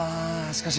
しかし。